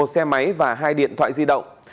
một xe máy và hai điện thoại di động